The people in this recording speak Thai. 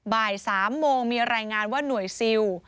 บ่าย๓โมงมีรายงานว่าหน่วยซิล